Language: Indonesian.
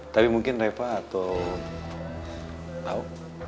tapi mungkin reva atau